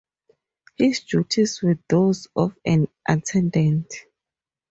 His duties were those of an attendant.